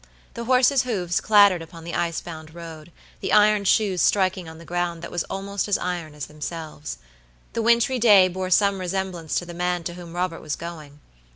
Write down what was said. The horses' hoofs clattered upon the ice bound road, the iron shoes striking on the ground that was almost as iron as themselves. The wintry day bore some resemblance to the man to whom Robert was going.